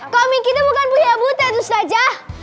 komik itu bukan punya butet ustadz jah